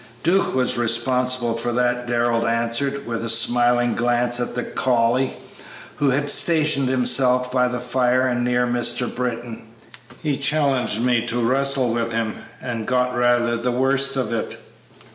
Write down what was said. "Duke was responsible for that," Darrell answered, with a smiling glance at the collie who had stationed himself by the fire and near Mr. Britton; "he challenged me to wrestle with him, and got rather the worst of it."